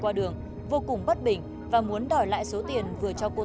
anh đừng còn nói láo nhá